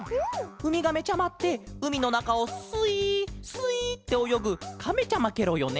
ウミガメちゃまってうみのなかをスイスイっておよぐカメちゃまケロよね？